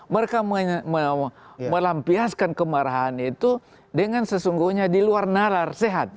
mereka melampiaskan kemarahan itu dengan sesungguhnya diluar nalar sehat